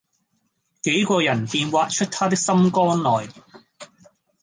幾個人便挖出他的心肝來，